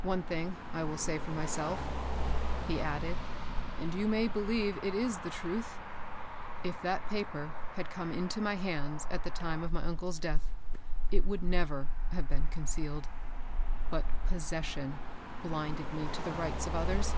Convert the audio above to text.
One thing I will say for myself," he added, and you may believe it is the truth : if that paper had come into my hands at the time of my uncle's death, it would never have b^n con cealed. But possession blinded me to the rights of others.